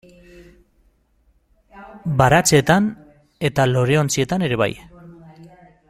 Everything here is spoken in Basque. Baratzeetan eta loreontzietan ere bai.